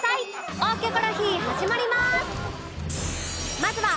『大キョコロヒー』始まります！